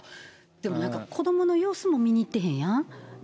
でも子どもの様子も見に行ってへんやん。